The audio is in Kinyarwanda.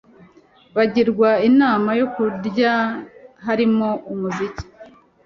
bagirwa inama yo kurya harimo umuziki